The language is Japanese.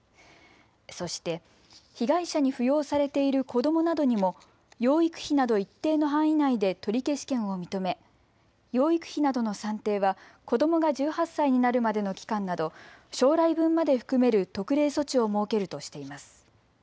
そして、被害者に扶養されている子どもなどにも養育費など一定の範囲内で取消権を認め、養育費などの算定は子どもが１８歳になるまでの期間など将来分まで含める特例措置を設けるとしています。